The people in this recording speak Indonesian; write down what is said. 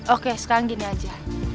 oke sekarang gini aja